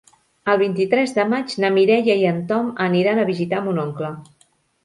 El vint-i-tres de maig na Mireia i en Tom aniran a visitar mon oncle.